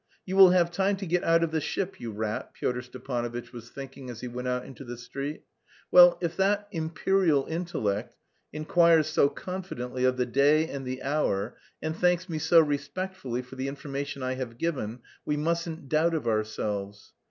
"You will have time to get out of the ship, you rat," Pyotr Stepanovitch was thinking as he went out into the street. "Well, if that 'imperial intellect' inquires so confidently of the day and the hour and thanks me so respectfully for the information I have given, we mustn't doubt of ourselves.